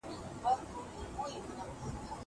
زه کولای سم پلان جوړ کړم!